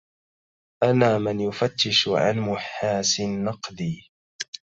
أنا من يفتش عن محاسن ناقدي